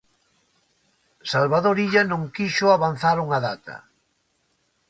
Salvador Illa non quixo avanzar unha data.